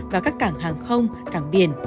và các cảng hàng không cảng biển